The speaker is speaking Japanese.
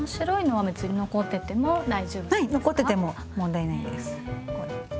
はい残ってても問題ないです。